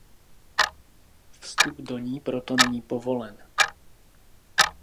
Vstup do ní proto není povolen.